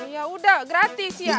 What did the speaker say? ya udah gratis ya